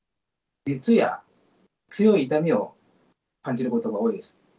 熱や強い痛みを感じることが多いです。